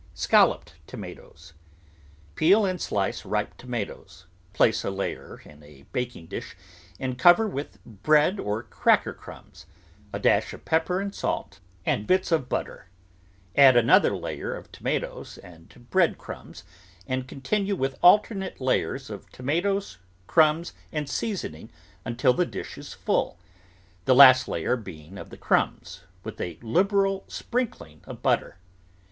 SCALLOPED TOMATOES Peel and slice ripe tomatoes; place a layer in a baking dish and cover with bread or cracker crumbs, a dash of pepper and salt, and bits of butter; add another layer of tomatoes and bread crumbs and continue with alternate layers of to matoes, crumbs, and seasoning until the dish is full, the last layer being of the crumbs, with a liberal sprinkling of butter.